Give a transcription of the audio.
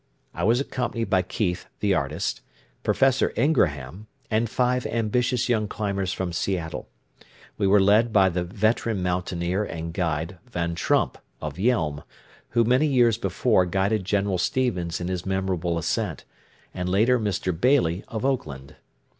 I was accompanied by Keith, the artist, Professor Ingraham, and five ambitious young climbers from Seattle. We were led by the veteran mountaineer and guide Van Trump, of Yelm, who many years before guided General Stevens in his memorable ascent, and later Mr. Bailey, of Oakland.